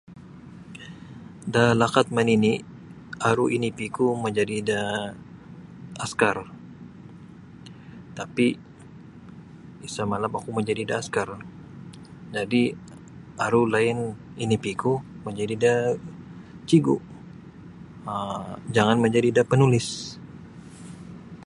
Da lakat manini' aru inipiku majadi da askar tapi' isa malap oku majadi da askar jadi' aru lain inipiku majadi da cigu' um jangan majadi da panulis.